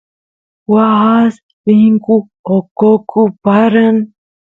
waas rinku oqoquy paran